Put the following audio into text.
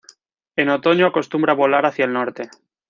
En otoño acostumbra volar hacia el norte.